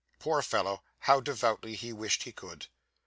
Poor fellow! how devoutly he wished he could!